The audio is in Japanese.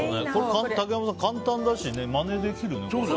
竹山さん、簡単だしまねできるよね。